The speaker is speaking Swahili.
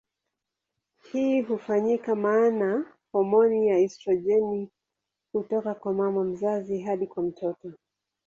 Hii hufanyika maana homoni ya estrojeni hutoka kwa mama mzazi hadi kwa mtoto.